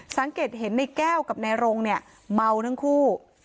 สังเกตเห็นในแก้วกับนายรงเนี่ยเมาทั้งคู่